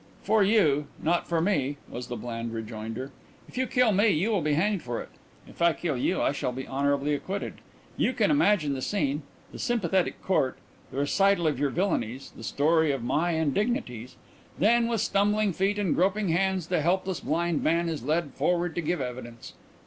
"For you not for me," was the bland rejoinder. "If you kill me you will be hanged for it. If I kill you I shall be honourably acquitted. You can imagine the scene the sympathetic court the recital of your villainies the story of my indignities. Then with stumbling feet and groping hands the helpless blind man is led forward to give evidence.